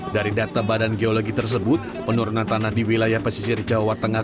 dari data badan geologi tersebut penurunan tanah di wilayah pesisir jawa tengah